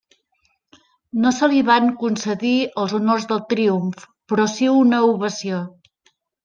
No se li van concedir els honors del triomf, però si una ovació.